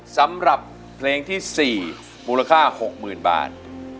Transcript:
สำหรับเพลงที่สี่มูลค่าหกหมื่นบาท